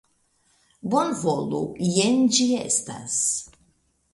Bonvolu, jen ĝi estas.